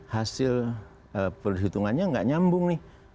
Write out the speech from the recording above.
hasil perhitungannya nggak nyambung nih